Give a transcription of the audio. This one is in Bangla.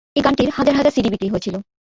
এ গানটির হাজার হাজার সিডি বিক্রি হয়েছিল।